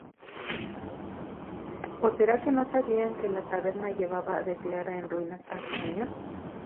¿ó será que no sabían que la taberna llevaba declara en ruinas hacía años?